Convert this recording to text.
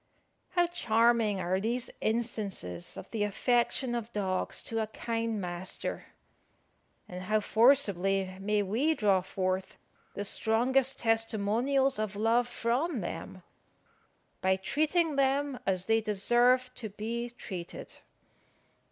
How charming are these instances of the affection of dogs to a kind master! and how forcibly may we draw forth the strongest testimonials of love from them, by treating them as they deserve to be treated!